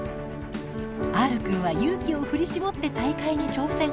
Ｒくんは勇気を振り絞って大会に挑戦。